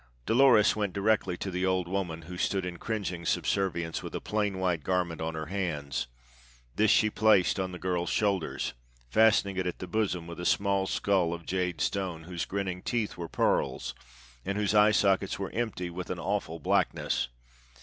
Dolores went directly to the old woman, who stood in cringing subservience with a plain white garment in her hands. This she placed on the girl's shoulders, fastening it at the bosom with a small skull of jade stone whose grinning teeth were pearls, and whose eye sockets were empty with an awful blackness.